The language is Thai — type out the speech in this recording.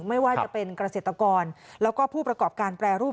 ไม่ว่าจะเป็นเกษตรกรแล้วก็ผู้ประกอบการแปรรูป